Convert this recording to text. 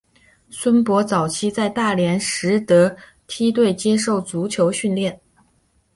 孙铂早期在大连实德梯队接受足球训练。